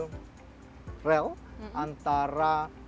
dan kalau tadi cynthia dari jakarta kalau lewat tol bawah akan lihat ada